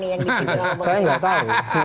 saya enggak tahu